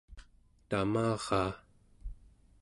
tamaraa